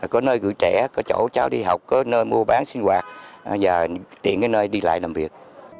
có nơi gửi trẻ có chỗ cho đi học có nơi mua bán xin quạt và tiện nơi đi lại làm việc